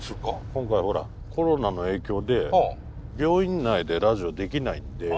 今回コロナの影響で病院内でラジオできないんで。